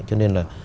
cho nên là